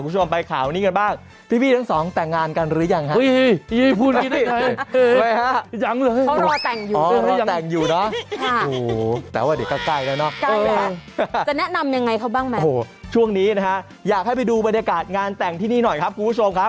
ใช่ครับคุณผู้ชม